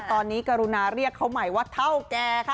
ตอนนี้กรุณาเรียกเขาใหม่ว่าเท่าแก่ค่ะ